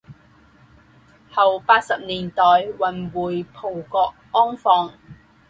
后八十年代运回葡国安放。